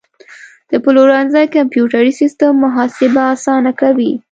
د پلورنځي کمپیوټري سیستم محاسبه اسانه کوي.